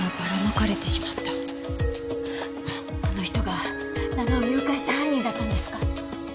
あの人が奈々を誘拐した犯人だったんですか？